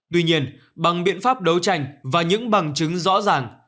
tuy nhiên bằng biện pháp đấu tranh và những bằng chứng rõ ràng